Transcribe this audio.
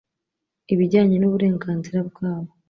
ibijyanye n uburenganzira bwabo